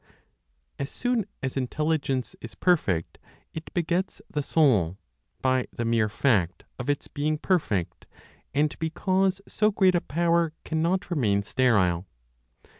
As soon as Intelligence is perfect, it begets the Soul, by the mere fact of its being perfect, and because so great a power cannot remain sterile.